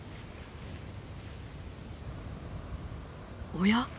おや。